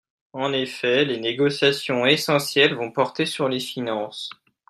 En effet, les négociations essentielles vont porter sur les finances.